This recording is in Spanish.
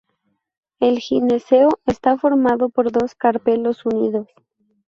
El gineceo está formado por dos carpelos unidos.